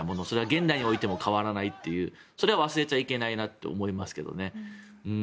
それは現代においても変わらないとそれは忘れちゃいけないなと思いますけどね。